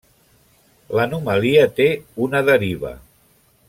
L'Anomalia té una deriva.